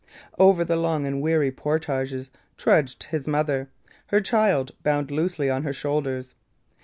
Over the long and weary portages trudged his mother, her child bound loosely on her shoulders.